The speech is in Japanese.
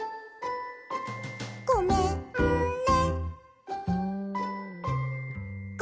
「ごめんね」